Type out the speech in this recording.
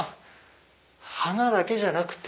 花だけじゃなくて。